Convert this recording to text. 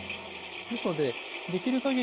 ですのでできる限り